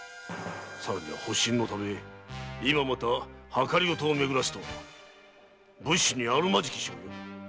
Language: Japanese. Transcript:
さらには保身のため今また謀をめぐらすとは武士にあるまじき所業。